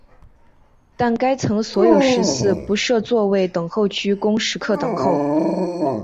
但该层所有食肆不设座位等候区供食客等候。